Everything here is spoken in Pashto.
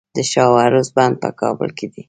د شاه و عروس بند په کابل کې دی